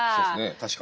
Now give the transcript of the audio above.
確かに。